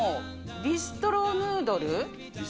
ビストロヌードル？